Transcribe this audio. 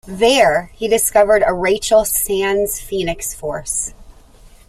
There, he discovered a Rachel "sans" Phoenix Force.